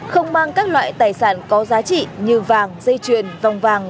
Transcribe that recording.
không mang các loại tài sản có giá trị như vàng dây chuyền vòng vàng